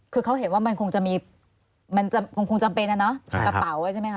คือเขาเห็นว่ามันคงจะมีมันคงจำเป็นนะกระเป๋าใช่ไหมคะ